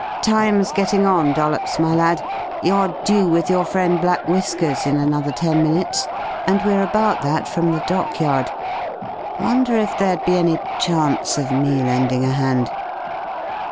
Time's getting on, Dollops, my lad. You're due with your friend Black Whiskers in another ten minutes and we're about that from the dockyard. Wonder if there'd be any chance of me lending a hand?"